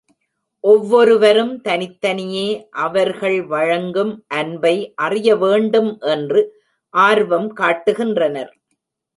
ஒவ்வொருவரும் தனித்தனியே அவர்கள் வழங்கும் அன்பை அறியவேண்டும் என்று ஆர்வம் காட்டுகின்றனர்.